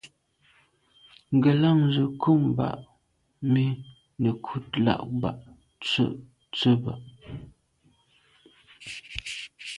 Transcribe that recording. Ngelan ze nkum ba’ mi nekut là bag tswe’ tseba’.